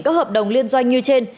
các hợp đồng liên doanh như trên